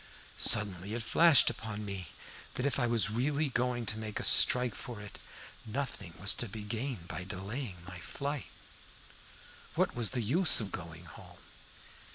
Suddenly it flashed upon me that, if I was really going to make a strike for it, nothing was to be gained by delaying my flight. What was the use of going home?